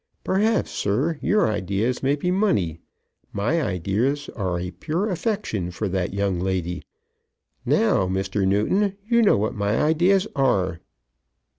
Perhaps, sir, your ideas may be money; my ideas are a pure affection for that young lady. Now, Mr. Newton, you know what my ideas are."